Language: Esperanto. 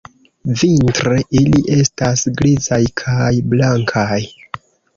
Vintre, ili estas grizaj kaj blankaj.